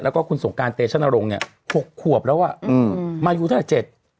แล้วก็คุณสงการเตชนรงค์เนี่ยหกขวบแล้วอ่ะอืมมายูเท่าไหร่เจ็ด